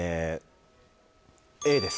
Ａです